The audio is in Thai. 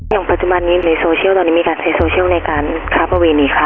อย่างปัจจุบันนี้ในโซเชียลตอนนี้มีการใช้โซเชียลในการค้าประเวณีคะ